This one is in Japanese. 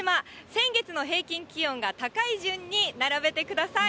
先月の平均気温が高い順に並べてください。